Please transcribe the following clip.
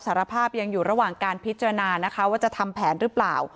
สารภาพยังอยู่ระหว่างการพิจารณานะคะว่าจะทำแผนหรือเปล่า